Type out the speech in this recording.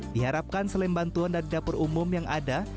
diharapkan selain bantuan dari dapur umum yang ada